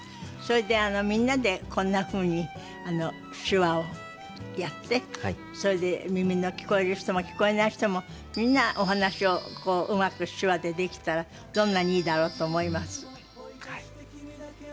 それでみんなでこんなふうに手話をやってそれで耳の聞こえる人も聞こえない人もみんなお話をうまく手話でできたらどんなにいいだろうと思います。